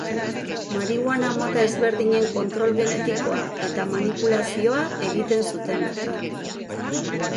Marihuana mota ezberdinen kontrol genetikoa eta manipulazioa egiten zuten bertan.